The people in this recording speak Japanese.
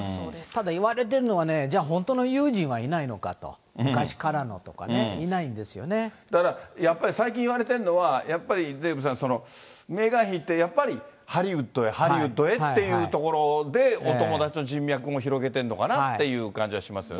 ただ言われてるのはね、じゃあ本当の友人はいないのかと、昔からのとかね、いないんですよだからやっぱり、最近言われてるのは、やっぱりデーブさん、メーガン妃ってやっぱりハリウッドへハリウッドへというところへ、お友達の人脈も広げてるのかなって気もしますよね。